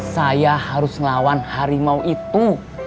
saya harus melawan harimau itu